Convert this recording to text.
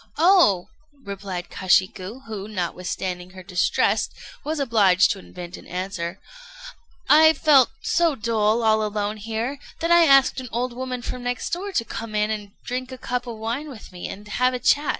"Oh!" replied Kashiku, who, notwithstanding her distress, was obliged to invent an answer, "I felt so dull all alone here, that I asked an old woman from next door to come in and drink a cup of wine with me, and have a chat."